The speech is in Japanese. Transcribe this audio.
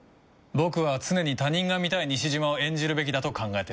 僕は常に他人が見たい西島を演じるべきだと考えてるんだ。